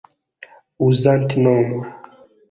uzantnomo